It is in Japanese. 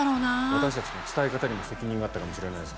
私たちの伝え方にも責任があったかもしれないです